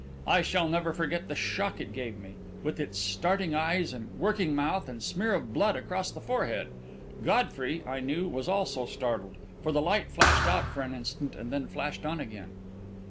I shall never forget the shock it gave me, with its starting eyes and working mouth and smear of blood across the forehead. Godfrey, I knew, was also startled, for the light flashed out for an instant, and then flashed on again.